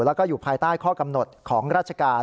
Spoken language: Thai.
แล้วก็อยู่ภายใต้ข้อกำหนดของราชการ